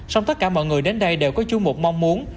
song tất cả mọi người đến đây đều có chung một mong muốn